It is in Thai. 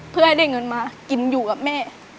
เพื่อให้ได้เงินมากินอยู่กับแม่